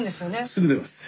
すぐ出ます。